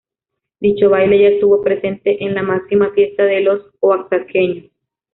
Dicho baile ya estuvo presente en la máxima fiesta de los oaxaqueños.